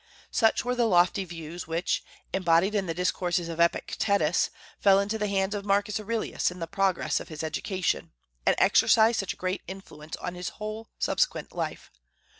Such were the lofty views which, embodied in the discourses of Epictetus, fell into the hands of Marcus Aurelius in the progress of his education, and exercised such a great influence on his whole subsequent life.